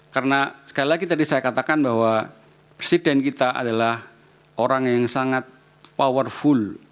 karena sekali lagi tadi saya katakan bahwa presiden kita adalah orang yang sangat powerful